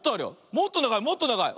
もっとながいもっとながい。